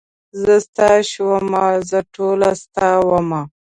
زه ستا شومه زه ټوله ستا ومه.